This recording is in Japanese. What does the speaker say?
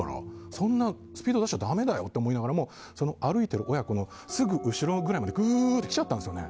そんなにスピード出したらだめだよと思いながら歩いている親子のすぐ後ろぐらいまで来ちゃったんですよね。